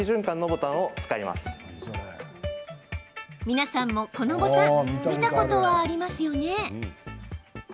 皆さんも、このボタン見たことはありますよね？